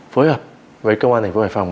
phối hợp với công an thành phố hải phòng